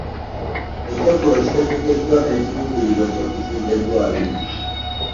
Ekyeggulo kitegekeddwa n'ekiruubirirwa eky'okuzimba eddwaliro